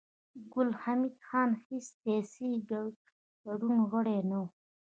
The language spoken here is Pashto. ګل حمید خان د هېڅ سياسي ګوند غړی نه و